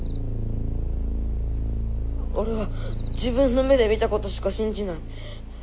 俺は自分の目で見たことしか信じない。